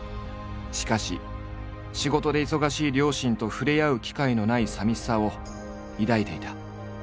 しかし仕事で忙しい両親と触れ合う機会のない寂しさを抱いていた。